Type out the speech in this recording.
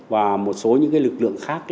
và một số những lực lượng khác